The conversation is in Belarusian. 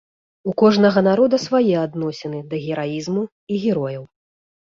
У кожнага народа свае адносіны да гераізму і герояў.